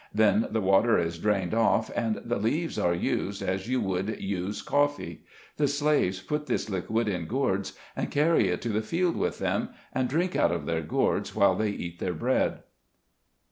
Then the water is drained off, and the leaves are used as you would use coffee. The slaves put this liquid in gourds, and carry it to the field with them, and drink out of their gourds while they eat their bread.